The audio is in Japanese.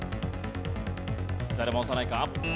誰も押さないか？